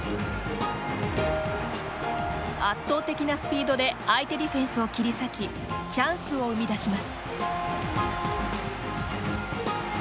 圧倒的なスピードで相手ディフェンスを切り裂きチャンスを生み出します。